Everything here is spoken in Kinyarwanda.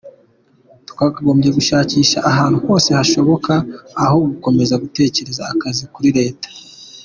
Twakagombye gushakisha ahantu hose hashoboka aho gukomeza gutegereza akazi kuri Leta.